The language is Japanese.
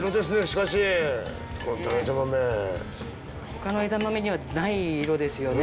他の枝豆にはない色ですよね。